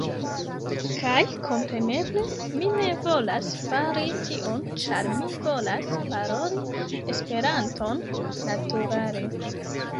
Kaj kompreneble, mi ne volas fari tion ĉar mi volas paroli Esperanton naturale